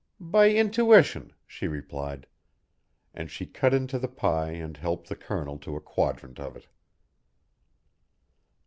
"By intuition," she replied. And she cut into the pie and helped the Colonel to a quadrant of it.